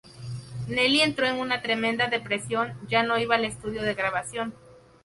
Nelly entró en una tremenda depresión, ya no iba al estudio de grabación.